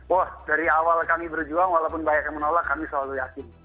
wah dari awal kami berjuang walaupun banyak yang menolak kami selalu yakin